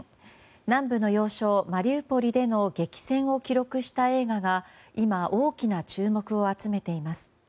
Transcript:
南部の要衝マリウポリでの激戦を記録した映画が今、大きな注目を集めています。